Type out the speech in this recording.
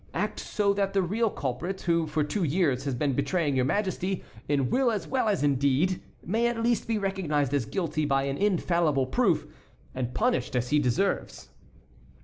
Act so that the real culprit, who for two years has been betraying your Majesty in will as well as in deed, may at last be recognized as guilty by an infallible proof, and punished as he deserves."